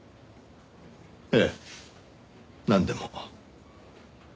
ええなんでも。